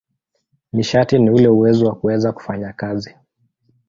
Nishati ni ule uwezo wa kuweza kufanya kazi.